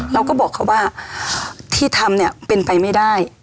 เราก็บอกเขาว่าที่ทำเนี่ยเป็นไปไม่ได้